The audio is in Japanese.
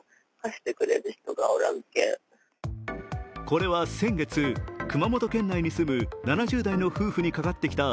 これは先月、熊本県内に住む７０代の夫婦にかかってきた